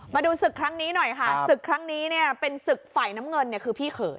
มาดูศึกครั้งนี้หน่อยค่ะศึกครั้งนี้เนี่ยเป็นศึกฝ่ายน้ำเงินเนี่ยคือพี่เขย